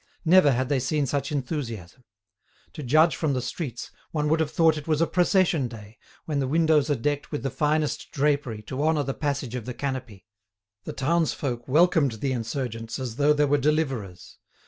Never had they seen such enthusiasm. To judge from the streets, one would have thought it was a procession day, when the windows are decked with the finest drapery to honour the passage of the Canopy. The townsfolk welcomed the insurgents as though they were deliverers.